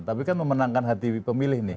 tapi kan memenangkan hati pemilih nih